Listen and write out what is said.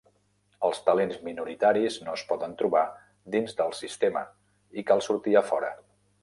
Els talents minoritaris no es poden trobar dins del sistema i cal sortir a fora.